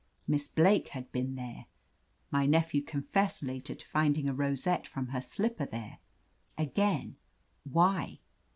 Miss Blake had been there. My nephew confessed later to finding a rosette from her slipper there. Again — ^why?"